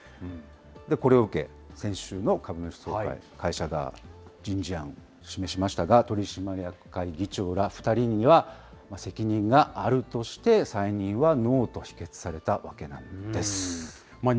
これを受け、先週の株主総会、会社が人事案示しましたが、取締役会議長ら２人には責任があるとして、再任はノーと否決されたわけなんです。